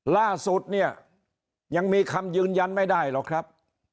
ล่าสุดเนี่ยยังมีคำยืนยันไม่ได้หรอกครับ